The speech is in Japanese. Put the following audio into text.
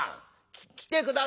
来て下さいよ。